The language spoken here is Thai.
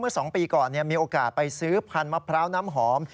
๒ปีก่อนมีโอกาสไปซื้อพันธมะพร้าวน้ำหอม